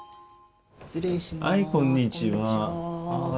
はい、こんにちは。